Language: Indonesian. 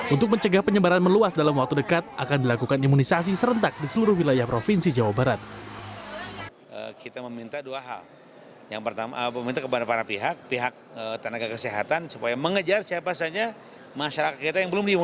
untuk mencegah penyebaran meluas dalam waktu dekat akan dilakukan imunisasi serentak di seluruh wilayah provinsi jawa barat